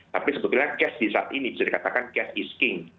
tapi sebetulnya cash di saat ini bisa dikatakan cash is king